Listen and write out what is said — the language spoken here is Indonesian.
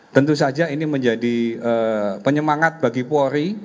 tentu saja ini menjadi penyemangat bagi polri